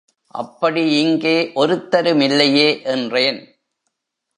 அப்படி இங்கே ஒருத்தருமில்லையே என்றேன்.